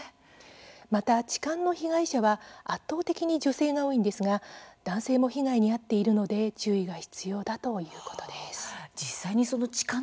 また、痴漢の被害者は圧倒的に女性が多いんですが男性も被害に遭っているので注意が必要だということです。